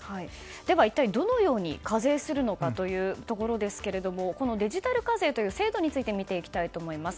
では一体、どのように課税するのかというところですがこのデジタル課税という制度について見ていきたいと思います。